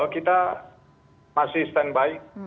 kita masih standby